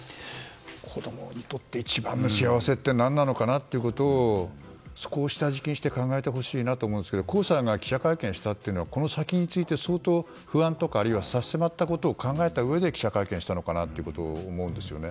子供にとって一番の幸せって何なのかなってそこを下敷きにして考えてほしいなと思いますが江さんが記者会見をしたのはこの先について相当の不安とか、あるいは差し迫ったことを考えたうえで記者会見をしたのかなと思うんですね。